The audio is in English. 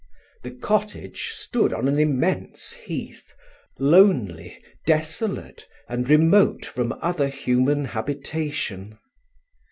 The cottage stood on an immense heath, lonely, desolate, and remote from other human habitation.